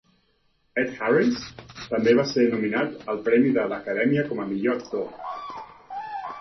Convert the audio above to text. Ed Harris també va ser nominat al premi de l'Acadèmia com a Millor Actor.